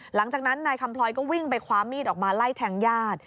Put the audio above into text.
หลังจากนั้นนายคำพลอยก็วิ่งไปคว้ามีดออกมาไล่แทงญาติ